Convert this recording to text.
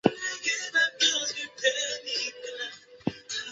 苏联人继续坚持必须在满足一个前提条件后才能签署条约。